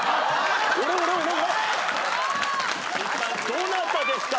「どなたですか？」